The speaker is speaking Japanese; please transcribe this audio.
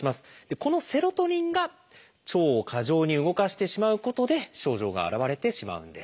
このセロトニンが腸を過剰に動かしてしまうことで症状が現れてしまうんです。